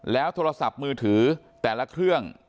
แล้วโทรศัพท์มือถือแต่ละเครื่อง